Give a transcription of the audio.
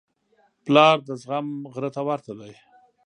پلار د زغم غره ته ورته دی.